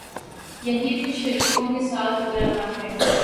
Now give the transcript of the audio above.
یہی کچھ شریفوں کے ساتھ ہو رہا ہے۔